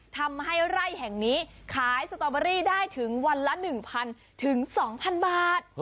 ทำให้ไร่แห่งนี้ขายสตอเบอรี่ได้ถึงวันละ๑๐๐๒๐๐บาท